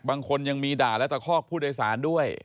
บางคนยังมีด่าและตะคอกผู้โดยสารด้วย